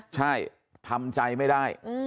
ใช่ทำใจไม่ได้